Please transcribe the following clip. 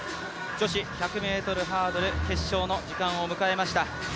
女子１００ｍハードル決勝の時間を迎えました。